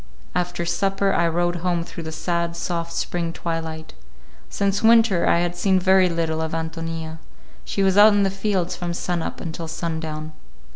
After supper I rode home through the sad, soft spring twilight. Since winter I had seen very little of Ántonia. She was out in the fields from sun up until sun down.